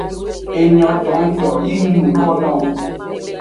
Enyo tongto yi ng nuko nowo.